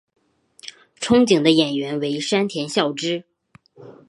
憧憬的演员为山田孝之。